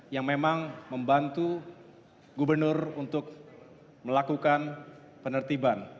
yang memang membantu gubernur untuk melakukan penertiban